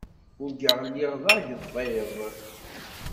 Urgaɣ lliɣ d agḍiḍ.